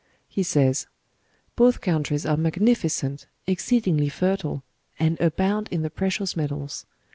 He says: "Both countries are magnificent, exceedingly fertile, and abound in the precious metals.